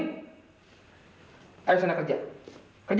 hai ada di sana kerja kerja